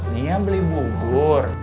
nia beli bugur